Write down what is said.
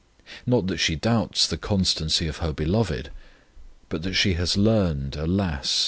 Not that she doubts the constancy of her Beloved, but that she has learned, alas!